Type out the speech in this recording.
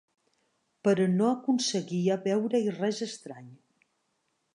Però no aconseguia veure-hi res estrany.